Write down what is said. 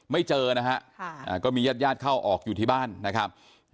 ไม่เจอนะฮะก็มีญาติญาติเข้าออกอยู่ที่บ้านนะครับ